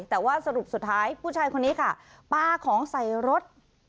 แต่ว่าสรุปสุดท้ายผู้ชายคนนี้ค่ะปลาของใส่รถ